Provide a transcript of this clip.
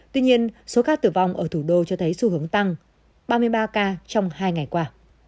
tuy nhiên số ca tử vong ở thủ đô cho thấy xu hướng tăng ba mươi ba ca trong hai ngày qua